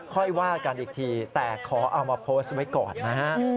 ค่อยว่ากันอีกทีแต่ขอเอามาโพสต์ไว้ก่อนนะฮะ